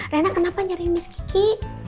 reina kenapa nyari miss gigi